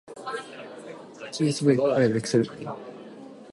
tsv ファイルエクセル